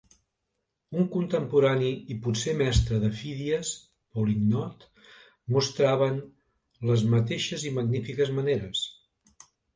Un contemporani i potser mestre de Fídies, Polignot, mostraven les mateixes i magnífiques maneres.